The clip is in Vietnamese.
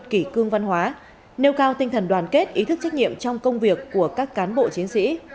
kỷ cương văn hóa nêu cao tinh thần đoàn kết ý thức trách nhiệm trong công việc của các cán bộ chiến sĩ